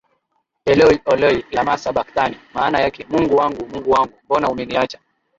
Eloi Eloi lama sabakthani maana yake Mungu wangu Mungu wangu mbona umeniacha